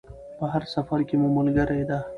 په هر سفر کې مو ملګرې ده.